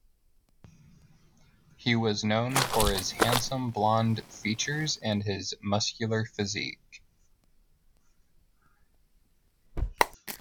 He was known for his handsome blond features and his muscular physique.